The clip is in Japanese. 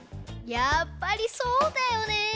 やっぱりそうだよね。